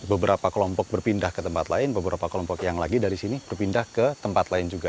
jadi beberapa kelompok berpindah ke tempat lain beberapa kelompok yang lagi dari sini berpindah ke tempat lain juga